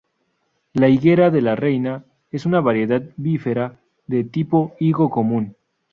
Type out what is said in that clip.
La higuera 'De La Reina' es una variedad "bífera" de tipo higo común.